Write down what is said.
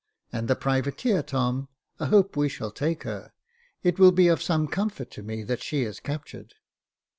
" And the privateer, Tom, I hope we shall take her ; it will be some comfort to me that she is captured."